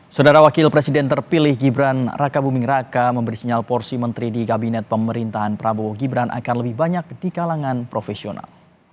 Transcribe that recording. saudara wakil presiden terpilih gibran raka buming raka memberi sinyal porsi menteri di kabinet pemerintahan prabowo gibran akan lebih banyak di kalangan profesional